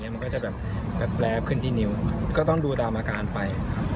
มันก็จะแบบแป๊บขึ้นที่นิ้วก็ต้องดูตามอาการไป